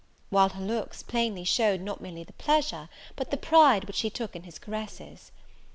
While her looks plainly showed not merely the pleasure, but the pride which she took in his caresses.